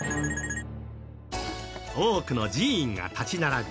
多くの寺院が立ち並び